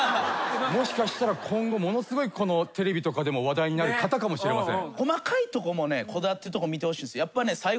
もしかしたら今後ものすごいテレビとかでも話題になる方かもしれません。